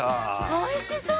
おいしそう！